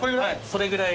これぐらい？